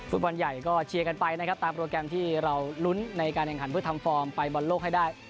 ฟุตบอลใหญ่ก็เชียร์กันไปนะครับตามโปรแกรมที่เราลุ้นในการแข่งขันเพื่อทำฟอร์มไปบอลโลกให้ได้